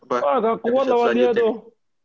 wah kakuat lah dia tuh